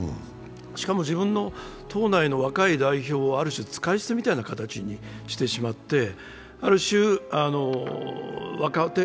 しかも自分の党内の若い代表をある種、使い捨てみたいに使っちゃっていて。